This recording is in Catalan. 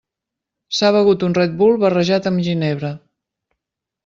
S'ha begut un Red Bull barrejat amb ginebra.